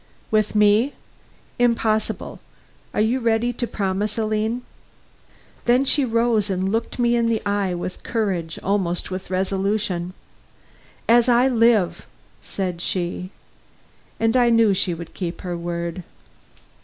"With me? Impossible. Are you ready to promise, Aline?" Then she rose and looked me in the eye with courage, almost with resolution. "As I live!" said she. And I knew she would keep her word.